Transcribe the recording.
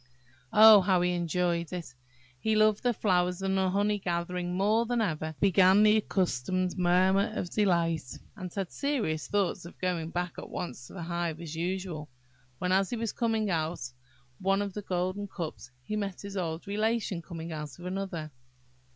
Oh, how he enjoyed it! He loved the flowers and the honey gathering more than ever, and began his accustomed murmur of delight, and had serious thoughts of going back at once to the hive as usual, when as he was coming out of one of the golden cups, he met his old Relation coming out of another.